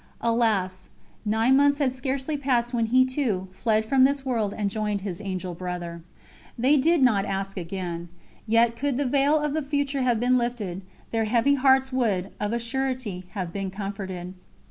Alas! Nine months had scarcely passed when he, too, fled from this world and joined his angel brother. They did not ask again. Yet, could the veil of the future have been lifted, their heavy hearts would, of a surety, have been comforted.